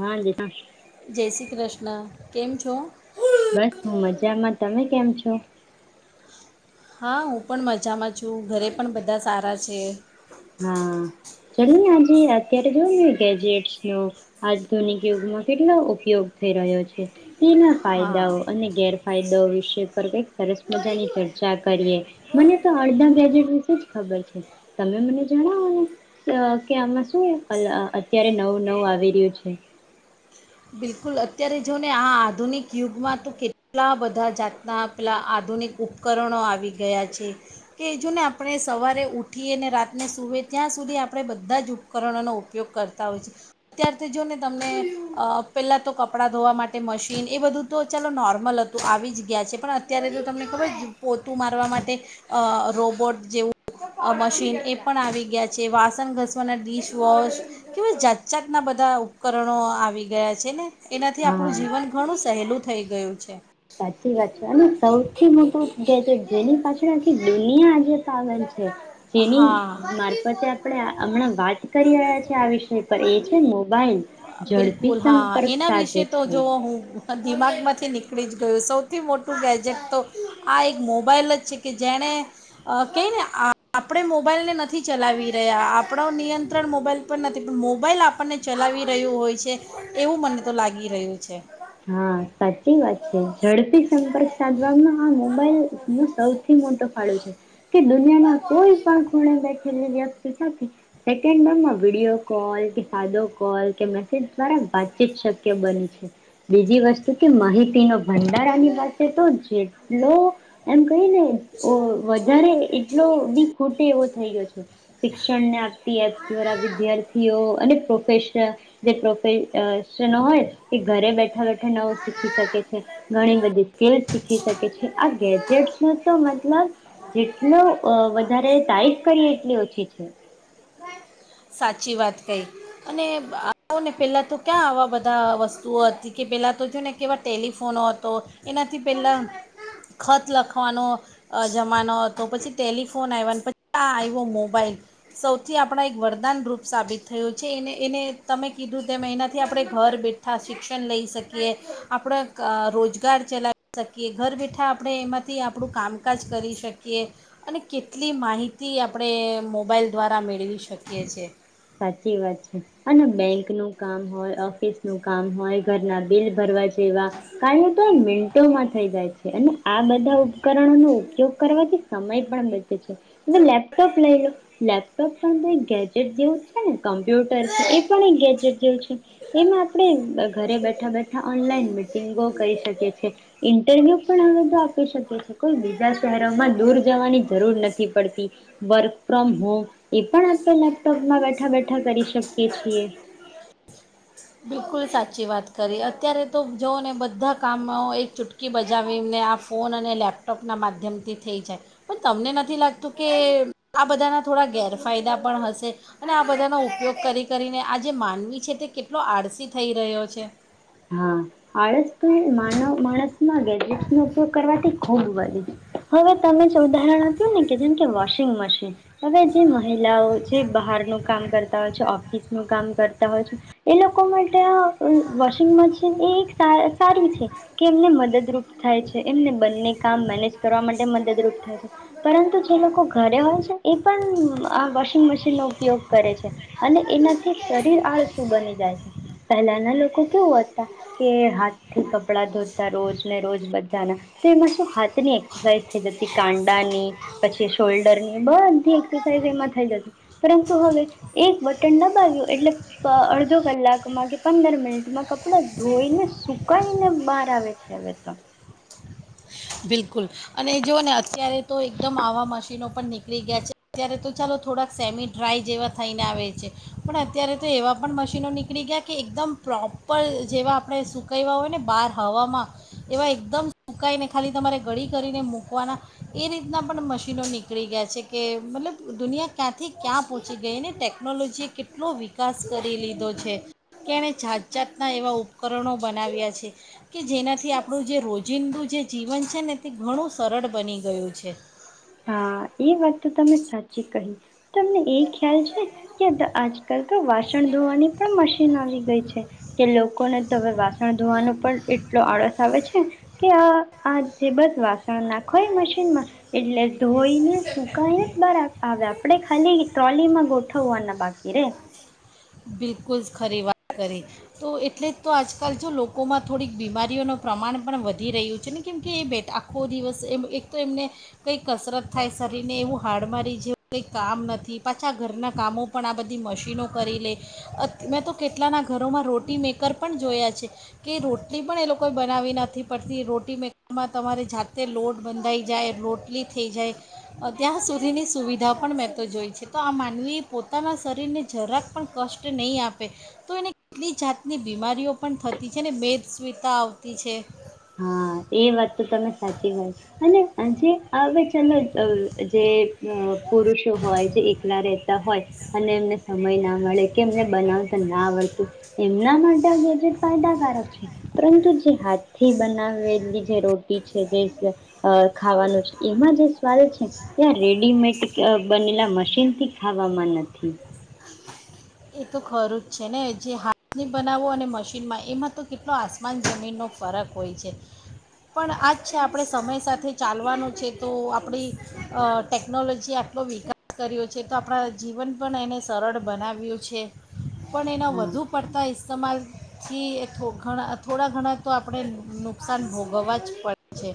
હા દિશા જય શ્રી કૃષ્ણ. કેમ છો? બસ હું મજામાં. તમે કેમ છો? હા, હું પણ મજામાં છું. ઘરે પણ બધા સારા છે. હા, ચલો ને આજે અત્યારે જોવાનું ગેજેટ નો આધુનિક યુગમાં કેટલો ઉપયોગ થઈ રહ્યો છે. તેના હા ફાયદાઓ અને ગેર ફાયદો વિશે પર કઈક સરસ મજાની ચર્ચા કરીએ મને તો અડધા ગજેટ વિશે જ ખબર છે તમે મને [unintelligible] કે આમાં શું અલ અત્યારે નવું નવું આવી રહ્યું છે. બિલકુલ અત્યારે જોને આ આધુનિક યુગમાં તો કેટલા બધા જાતના પેલાં આધુનિક ઉપકરણો આવી ગયા છે. કે જોને આપણે સવારે ઉઠીએ અને રાતને સૂએ ત્યાં સુધી આપણે બધા જ ઉપકરણોનો ઉપયોગ કરતા હોય છે અત્યાર તો જો ને તમને અ પહેલાં તો કપડાં ધોવા માટે મશીન એ બધું તો ચાલો નોર્મલ હતું આવી જ ગયા છે. પણ અત્યારે તો તમને ખબર પોતું મારવા માટે અ રોબોટ જેવું મશીન એ પણ આવી ગયા છે. વાસણ ઘસવાના ડિશવોશ એવા જાતજાતના બધા ઉપકરણો આવી ગયા છે. છે ને. એનાથી હા આપણું જીવન ઘણું સહેલું થઈ ગયું છે. સાચી વાત છે અને સૌથી મોટો ગેજેટ જેની પાછળ આખી દુનિયા આજેે પાગલ છે જેની હા મારફતે આપણે હમણાં વાત કરી રહ્યા છે આ વિષ પણ એ છે મોબાઈલ ઝડપી બિલકુલ હા સંપર્ક એના સાધે વિશે તો છે જો હું દિમાગમાંથી નીકળી જ ગયું સૌથી મોટું ગેજેટ તો આ એક મોબાઈલ જ છે કે જેણે કંઈને આપણે મોબાઈલને નથી ચલાવી રહ્યા આપણો નિયંત્રણ મોબાઈલ પર નથી પણ મોબાઈલ આપણને ચલાવી રહ્યું હોય છે. એવું મને તો લાગી રહ્યું છે. હા સાચી વાત છે ઝડપી સંપર્ક સાધવાનો આ મોબાઈલ નો સૌથી મોટો ફાળો છે. કે દુનિયામાં કોઈ પણ ખૂણે બેઠેલી વ્યક્તિ સાથે સેકન્ડોમાં વિડીયો કોલ કે સાદો કોલ કે મેસેજ દ્વારા વાતચીત શક્ય બને છે. બીજી વસ્તુ કે માહિતીનો ભંડાર આની પાસે તો જેટલો એમ કેને ઓ વધારે એટલો બી ખોટે એવો થઈ ગયો છે. શિક્ષણને આપતી એપ્સ દ્વારા વિદ્યાર્થીઓ અને પો પ્રોફેશનલ કે પ્રોફ ન પ્રોફેશન હોય એ ઘરે બેઠા.. નવું શીખી શકે છે ઘણી બધી સ્કીલસ શીખી શકે છે આ ગેજેટ્સ ન તો મતલબ જેટલો વધારે તારીફ કરીએ એટલી ઓછી છે. સાચી વાત કહી અને આવોને પહેલાં તો ક્યાં આવા બધા વસ્તુઓ હતી કે પહેલાં તો છેને ને કેવા ટેલિફોનો હતો એનાથી પહેલાં ખત લખવાનો અ જમાનો હતો, પછી ટેલિફોન આવ્યાનો પછી આ આવ્યો મોબાઈલ સૌથી આપણા એક વર દાનરૂપ સાબિત થયું છે એને એને તમે કીધું તેમ એનાથી આપણે ઘર બેઠા શિક્ષણ લઈ શકીએ, આપણા ક રોજગાર ચલાવી શકીએ, ઘર બેઠા આપણે એમાંથી આપણું કામકાજ કરી શકીએ અને કેટલી માહિતી આપણે મોબાઈલ દ્વારા મેળવી શક કિએ છે. સાચી વાત છે અને બેંક નું કામ હોય, ઓફિસ નું કામ હોય, ઘરના બિલ ભરવા જેવા કાર્ય તો મિન ટોમાં થઈ જાય છે અને આ બધા ઉ ઉપકરણોનો ઉપયોગ કરવાથી. સમય પણ બચે છે. લેપટોપ લઈ લો લેપટોપ અંદર ગેજેટ જેવું [unintelligible] કમ્પ્યુટર છે એ પણ એક ગેજેટ. છે એમાં આપડે ઘરે બેઠા બેઠા ઓનલાઈન મીટિંગો કરી શકીએ છીએ ઇન્ટરવ્યુ પણ હવે તો આપી શકીએ કોઈ બી બીજા શહેરોમાં દૂર જવાની જરૂર નથી પડતી. વ ફ્રોમ હોમ. એ પણ આપણે લેપટોપ માં બે એકઠા કરી શકીએ છીએ. બિલકુલ સાચી વાત કરી. અત્યારે તો જોઓ ને બધા કામો એક ચૂટકી બજાવીને આ ફોન અને લેપટોપના માધ્યમથી થઈ જાય, પણ તમને નથી લાગતું કે આ બધાના થોડા ગેરફાયદા પણ હશે અને આ બધાનો ઉપયોગ કરી કરીને આ જે માનવી છે તે કેટ કેટલો આળસી થઈ રહ્યો છે. હા. આળસ તો માણ માણસમાં ગેજે નો ઉપયોગ કરવાથી ખૂબ. [inaudible] હવે તમે જે ઉદાહરણ આપ્યું ને કે જેમકે વોશિંગ મશીન હવે જે મહિલાઓ છે બહારનું કામ કરતા હોય છે, ઓફિસ નું કામ કરતા હોય છે એ લોકો મા [unintelligible] [unintelligible] સા-સારું છે કે એમને મદદરૂપ થાય છે. એમને બંને કામ મેનેજ કરવા માટે મદદરૂપ થાય છે પરંતુ જે લોકો ઘરે હોય છે એ પણ આ વોશિંગ મશીનનો ઉપયોગ કરે છે. અને એનાથી સરીર આળસું બની જાય છે. પેહલાના લોકો [unintelligible] કે હાથથી કપડા ધોતા રોજને રોજ બધાના, તેમા સુ હાથની એક્સરસાઇઝ થઈ જતી, કાંડાની પછી શોલ્ડરની, બધી એક્સરસાઇઝ એમાં થઈ જતી પરંતુ હવે એક બટન દબાવ્યું એટલે પ અડધો કલાકમાં કે પંદર મિનિટમાં કપડા ધોઈને સુકાઈને બાર આવે છે અવે તો. બિલકુલ અને જોઓને અત્યારે તો એકદમ આવા મશીનો પણ નીકળી ગ્યા છે અત્યારે તો ચાલો થોડાક સેમી ડ્રાય જેવા થઈને આવે છે પણ અત્યારે તો એવા પણ મશીનો નીકળી ગ્યા કે એકદમ પ્રોપર જેવા આપણે સુકઈવા હોય ને બાર હવામાં એવા એકદમ [inaudible] ખાલી તમારે ગળી કરીને મૂકવાના એ રીતના પણ મશીનો નીકળી ગ્યા છે કે મતલબ દુનિયા ક્યાંથી ક્યાં પોચી ગઈને ટેકનોલોજીએ કેટલુ વિકાસ કરી લીધો છે કે એણે જાત જાતના એવાં ઉપકરણો બનાવ્યા છે કે જેનાથી આપણું જે રોજિંદું જે જીવન છે ને તે ઘણું સરળ બની ગયું છે. હા, એ વાત તો તમે સાચી કહી. તમને એ ખ્યાલ છે કે આજકાલ તો વાસણ ધોવાની પણ મશીન આવી ગઈ છે કે લોકોને તો અવે વાસણ ધોવાનું પણ એટલો આળસ આવે છે કે આ આ જે બસ વાસણ નાખો એ મશીનમાં એટલે ધોઈને સુકાઈને. [unintelligible] પડે ખાલી ટ્રોલીમાં ગોઠવવાના બાકી રે. બિલકુલ ખરી વાત કરી તો એટલે તો આજકાલ જો લોકોમાં થોડીક બીમારીઓનું પ્રમાણ પણ વધી રહ્યું છે ને કેમકે એ બેટ આખો દિવસ એમ એક તો એમને કંઈ કસરત થાય સરીરને એવું હાડ મારી જેવું કંઈક કામ નથી પાછા ઘરનાં કામો પણ આ બધી મશીનો કરી લે. અ મેં તો કેટલાના ઘરોમાં રોટી મેકર પણ જોયા છે કે રોટલી પણ એ લોકોએ બનાવી નથી પડતી. રોટી મેકરમાં તમારે જાતે લોટ બંધાઈ જાય, રોટલી થઈ જાય, ત્યાં સુધીની સુવિધા પણ મેં તો જોઈ છે તો આ માનવી પોતાના સરીરને જરાક પણ કષ્ટ નહીં આપે તો એને કેટલી જાતની બીમારીઓ પણ થતી છે ને મેદ સ્વીતા આવતી છે હા એ વાત તો તમે સાચી હોય અને જે હવે ચાલો જે અ જે પુરુષો હોય જે એકલા રહેતા હોય અને એમને સમય ના મળે કે એમને બનાવતા ના આવડતું એમના માટે આ ગેજેટ ફાયદાકારક છે પરંતુ જે હાથથી બનાવે જેવી જે રોટી છે જે અહ ખાવાનું છે એમાં જે સ્વાદ છે ત્યાં રેડીમેડ બનેલા મશીનથી ખાવામાં નથી. એ તો ખરું જ છે ને જે હાથની બનાવો અને મશીનમાં એમાં તો કેટલો આસમાન જમીનનો ફરક હોય છે. પણ આ જ છે આપણે સમય સાથે ચાલવાનું છે તો આપડી અહ ટેકનોલોજીએ આટલો વિકાસ કર્યો છે તો આપડા જીવન પણ એને સરળ બનાવીઓ છે. પણ એના હા વધુ પડતા ઇસ્તેમાલથી એ થો ઘણા થોડા ઘણા તો આપડે નુકસાન ભોગવવા જ પડે છે.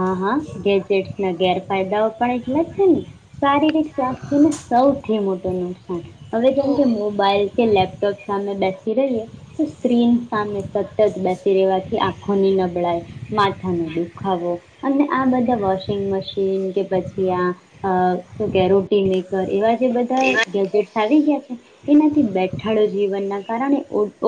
હા હા ગેજેટ્સ ના ગેરફાયદાઓ પણ એટલા જ છે ને શારીરિક સ્વાસ્થ્યને સૌથી મોટું નુકસાન. હવે તો જેમ કે મોબાઈલ કે લેપ તો સામે બેસી રહીએ તો સ્ક્રીન સામે સતત બેસી રહેેવાથી આંખોની નબળાઈ માથાનો દુખાવો અને આ બ ધા વોશિંગ મશીન કે પછ ત્યાં અહ શું કે રોટી મેકર એવા જે બધા ગેજેટ આવી ગયા એનાથી બેઠાડો જીવન ના કારણે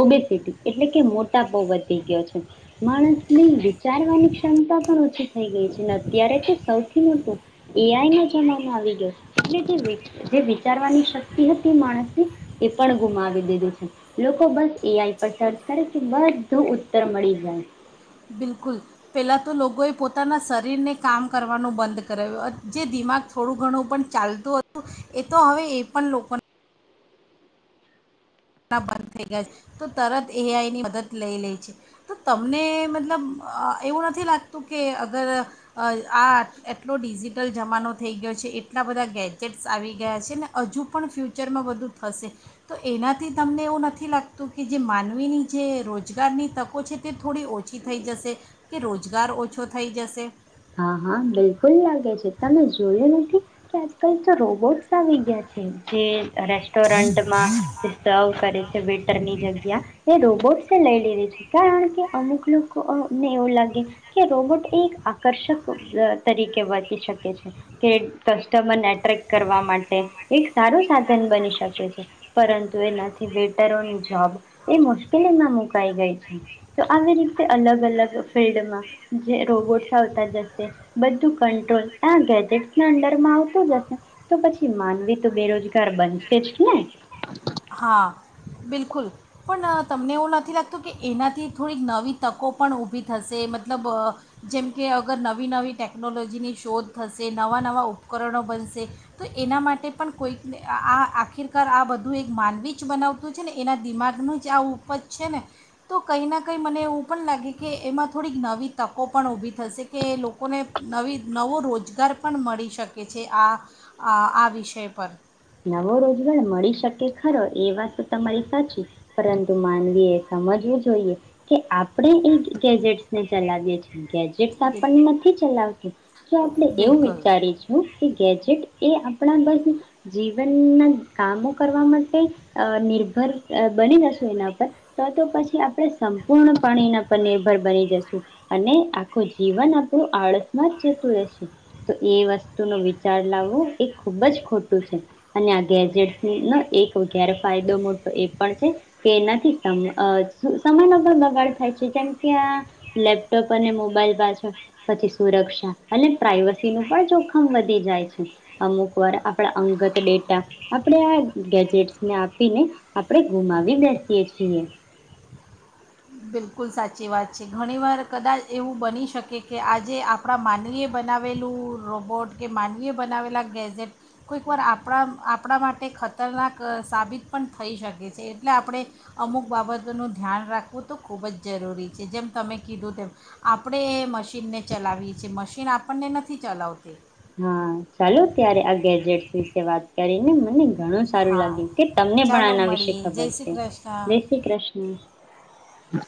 ઓબેસીટી એટલે કે મોટાપો વધી ગયો છે માણસને વિચારવાની ક્ષમતા પણ ઓછી થઈ ગઈ છે ને અત્યારે તો સૌથી મોટું એ આઈ ના જમાનો આવી ગયો છે એટલ જે વિચારવાની શક્તિ હતી માણસની એ પણ ગુમાવી દીધી છે લોકો બસ એ આઈ પર સર્ચ કરે કે બધું ઉત્તર મળી જાય બિલકુલ પહેલાં તો લોકોએ પોતાના શરીરને કામ કરવાનું બંધ કરાવ્યું જે દિમાગ થોડું ઘણું પણ ચાલતું હતું એ તો હવે એ પણ લોકોને બંધ થઈ ગયા છે તો તરત એ આઈની મદદ લઈ લે છે તો તમને મતલબ એવું નથી લાગતું કે અગર આ એટલો ડિજિટલ જમાનો થઈ ગયો છે એટલા બધા ગેજેટ્સ આવી ગયા છે ને હજુ પણ ફ્યુચરમાં બધું થશે તો એના આથી તમને એવું નથી લાગતું કે જે માનવીની જે રોજગારની તકો છે તે થોડી ઓછી થઈ જશે કે રોજગાર ઓછો થઈ જશે હા હા બિલકુલ લાગે છે તમે જોયું નથી કે આજકાલ તો રોબોટ્સ આવી ગયા છે જે રેસ્ટોરન્ટમાં જે સર્વ કરે છે વેટરની જગ્યા એ રોબોટ લઈ લે ર છે કારણ કે અમુક લોકોને એવું લાગે કે રોબોટ એક આકર્ષક તરીકે વર્તી શકે છે કે કસ્ટમરને એટ્રેક્ટ કરવા માટે એક સારું સાધન બની શકે છે પરંતુ ના બેટરોની જોબ એ મુશ્કેલીમાં મુકાઈ ગઈ છે તો આવી રીતે અલગ અલગ ફિલ્ડમાં જે રોબોટ થથા જશે બધુ કટ્રોલ આ ગેજેટ ના અડરમાં આવતો જશે તો પછી માનવી તો બેરોજગાર બનશે જ ને હા બિલકુલ પણ તમને એવું નથી લાગતું કે એનાથી થોડીક નવી તકો પણ ઊભી થશે મતલબ જેમ કે અગર નવી નવી ટેકનોલોજીની શોધ થશે નવાં નવાં ઉપકરણો બનશે તો એના માટે પણ કોઈકને આ આખીરકાર આ બધું એક માનવી જ બનાવતું છે ને એના દિમાગનું જ આ ઉપજ છે ને તો કંઈ ના કંઈ મને એવું પણ લાગે કે એમાં થોડીક નવી તકો પણ ઊભી થશે કે લોકોને નવી નવો રોજગાર પણ મળી શકે છે આ આ વિષય પર નવો રોજગાર મળી શકે ખરો એ વાત તો તમારી સાચી પરંતુ માનવી એ સમજવું જોઈએ કે આપણે એ ગેજેટ ને ચલાવીએ છીએ ગેજેટ્સ બિલ આપણને નથી ચલાવતા હ [inaudible] જો આપણે એવું બિલકુલ વિચારીશું કે ગેજેટ એ આપણા બસ જીવનના કામો કરવા માટે અ નિર્ભર બની જશું એના પર તો તો પછી આપણે સંપૂર્ણપણે એના પર નિર્ભર બની જશું અને આખું જીવન આપણું આળસમાં જ જતું રહેશે તો એ વસ્તુનો વિચાર લાવવો એ ખૂબ જ ખોટું તો છે એને આ ગેજેટ ની નો ઘેર ફાયદો મોટો એ પણ છે કે એનાથી સમ અહ સમયનો પણ બગાડ થાય છે જેમ કે આ લેપટોપ અને મોબાઈલ પાછળ પછી સુરક્ષા અને પ્રાઈવસી નું પણ જોખમ વધી જાય છે અમુક વાર આ તા અંગત લેટા આપણે આ ગેજેટ્સ ને આપીને આપડે ગુમાવી બેસીએ છીએ. બિલકુલ સાચી વાત છે. ઘણીવાર કદાચ એવું બની શકે કે આજે આપડા માનવીય બનાવેલું રોબોટ કે માનવીય બનાવેલા ગેઝેટ કોઈકવાર આપડા આપડા માટે ખતરનાક અહ સાબિત પણ થઈ શકે છે એટલે આપડે અમુક બાબતોનું ધ્યાન રાખવું તો ખૂબ જ જરૂરી છે જેમ તમે કીધું તેમ આપડે એ મશીનને ચલાવીએ છીએ મશીન આપણને નથી ચલાવતી. હા ચાલો હમ્મ. ઘણું સારું હા લાગ્યું કે તમને પણ ચાલો આના વિશે મળીએ ખબર જય શ્રી છે. કૃષ્ણ જય શ્રી કૃષ્ણ. હા.